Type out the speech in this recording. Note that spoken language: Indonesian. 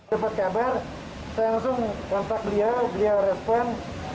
dapat kabar saya langsung kontak beliau beliau respon